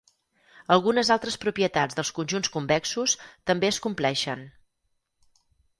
Algunes altres propietats dels conjunts convexos també es compleixen.